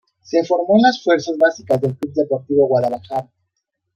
Se formó en las fuerzas básicas del Club Deportivo Guadalajara.